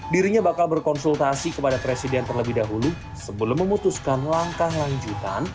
dirinya bakal berkonsultasi kepada presiden terlebih dahulu sebelum memutuskan langkah lanjutan